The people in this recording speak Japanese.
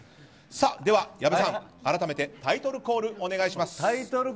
では、矢部さん、改めてタイトルコールお願いします。